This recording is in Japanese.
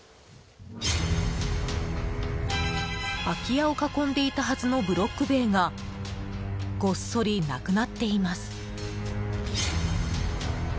空き家を囲んでいたはずのブロック塀がごっそりなくなっています。